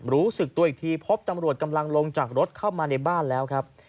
รู้สึกตัวอีกทีพบตำรวจกำลังลงจากรถเข้ามาในบ้านแล้วครับ